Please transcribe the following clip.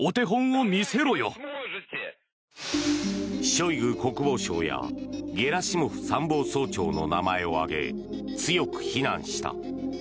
ショイグ国防相やゲラシモフ参謀総長の名前を挙げ強く非難した。